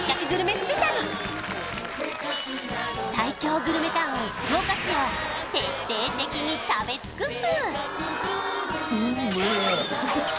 スペシャル最強グルメタウン福岡市を徹底的に食べ尽くす！